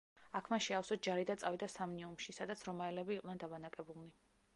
აქ მან შეავსო ჯარი და წავიდა სამნიუმში, სადაც რომაელები იყვნენ დაბანაკებულნი.